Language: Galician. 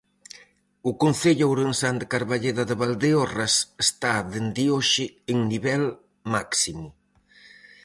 O concello ourensán de Carballeda de Valdeorras está dende hoxe en nivel máximo.